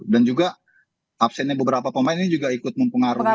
juga absennya beberapa pemain ini juga ikut mempengaruhi